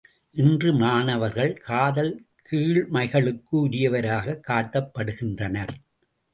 இன்று மாணவர்கள் காதல் கீழ்மைகளுக்கு உரியவராகக் காட்டப்படுகின்றனர்.